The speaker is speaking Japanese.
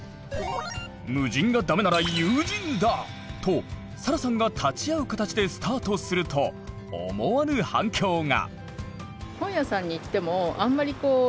「無人がダメなら有人だ！」とサラさんが立ち会う形でスタートすると思わぬ反響が！